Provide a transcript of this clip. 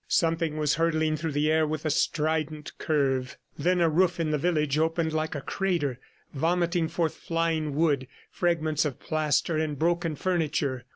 Something was hurtling through the air with a strident curve. Then a roof in the village opened like a crater, vomiting forth flying wood, fragments of plaster and broken furniture.